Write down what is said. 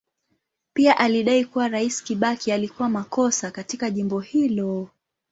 Pia alidai kuwa Rais Kibaki alikuwa makosa katika jambo hilo.